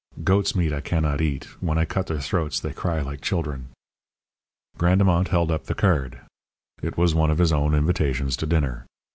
Goat's meat I cannot eat. When I cut their throats they cry like children." Grandemont held up the card. It was one of his own invitations to dinner.